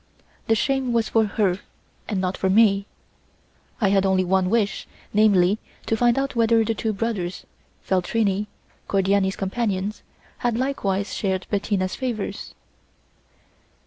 The shame was for her and not for me. I had only one wish, namely, to find out whether the two brothers Feltrini, Cordiani's companions, had likewise shared Bettina's favours.